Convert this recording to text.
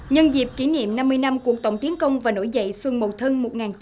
nhân dịp kỷ niệm năm mươi năm cuộc tổng tiến công và nổi dậy xuân mậu thân một nghìn chín trăm tám mươi